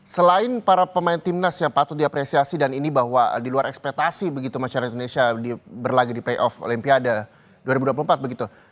selain para pemain timnas yang patut diapresiasi dan ini bahwa di luar ekspetasi begitu masyarakat indonesia berlagak di playoff olimpiade dua ribu dua puluh empat begitu